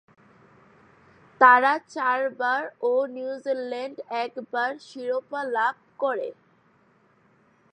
তারা চারবার ও নিউজিল্যান্ড একবার শিরোপা লাভ করে।